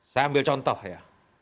saya ambil contoh ya